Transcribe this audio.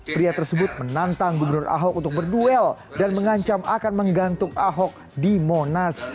pria tersebut menantang gubernur ahok untuk berduel dan mengancam akan menggantung ahok di monas